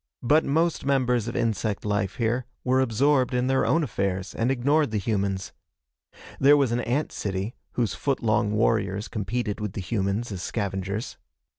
But most members of insect life here were absorbed in their own affairs and ignored the humans. There was an ant city, whose foot long warriors competed with the humans as scavengers.